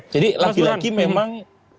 jadi laki laki memang